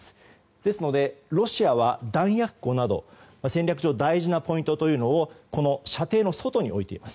ですので、ロシアは弾薬庫など戦略上大事なポイントというのをこの射程の外に置いています。